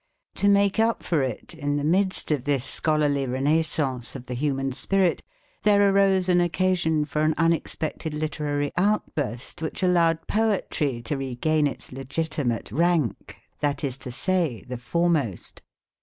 To make up for it, in the midst of this scholarly renaissance of the human spirit, there arose an occasion for an unexpected literary outburst which allowed poetry to regain its legitimate rank, that is to say, the foremost.